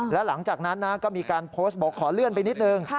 แล้วหลังจากนั้นก็มีการโพสต์บอกขอเลื่อนไปนิดนึง